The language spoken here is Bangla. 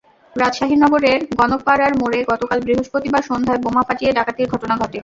রাজশাহী নগরের গণকপাড়ার মোড়ে গতকাল বৃহস্পতিবার সন্ধ্যায় বোমা ফাটিয়ে ডাকাতির ঘটনা ঘটে।